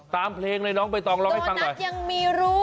ตามเพลงเลยน้องไปต้องลองให้ฟังหน่อย